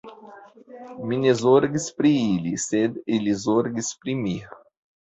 Mi ne zorgis pri ili, sed ili zorgis pri mi.